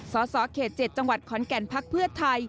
สสเขต๗จังหวัดขอนแก่นพักเพื่อไทย